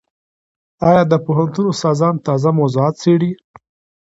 ایا د پوهنتون استادان تازه موضوعات څېړي؟